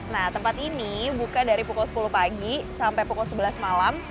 nah tempat ini buka dari pukul sepuluh pagi sampai pukul sebelas malam